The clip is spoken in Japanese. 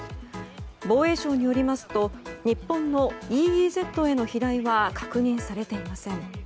防衛省によりますと日本のＥＥＺへの飛来は確認されていません。